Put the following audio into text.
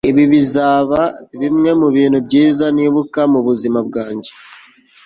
ibi bizaba bimwe mubintu byiza nibuka mubuzima bwanjye